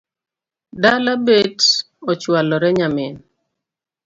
Dala bet ochualore nyamin